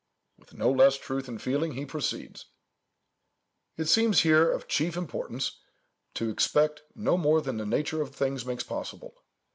With no less truth and feeling he proceeds:— "It seems here of chief importance to expect no more than the nature of things makes possible.